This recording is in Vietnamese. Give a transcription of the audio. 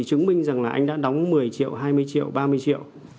chứng minh rằng là anh đã đóng một mươi triệu hai mươi triệu ba mươi triệu